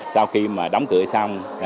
sau khi mà đóng cửa xong